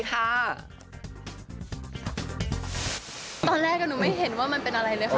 ตอนแรกหนูไม่เห็นว่ามันเป็นอะไรเลยค่ะ